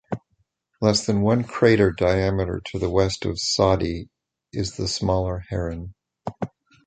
Less than one crater diameter to the west of Soddy is the smaller Heron.